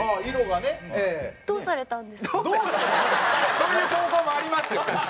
そういう高校もありますよ。